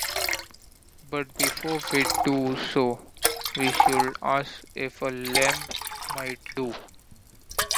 But before we do so we should ask if a lamb might do.